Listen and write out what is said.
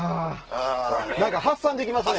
何か発散できますね。